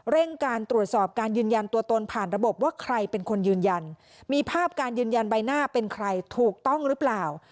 การตรวจสอบการยืนยันตัวตนผ่านระบบว่าใครเป็นคนยืนยันมีภาพการยืนยันใบหน้าเป็นใครถูกต้องหรือเปล่า